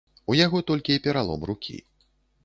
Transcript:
У яго толькі пералом рукі.